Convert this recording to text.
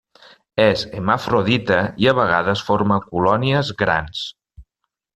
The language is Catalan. És hermafrodita i a vegades forma colònies grans.